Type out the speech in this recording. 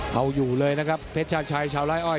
เอาอยู่เลยนะครับเพชรชาชัยชาวไล่อ้อย